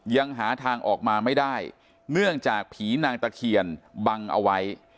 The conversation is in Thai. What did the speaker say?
ยังหาทางออกมาไม่ได้เนื่องจากผีนางตะเคียนบังเอาไว้